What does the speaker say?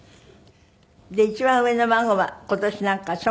で一番上の孫は今年なんか小学校？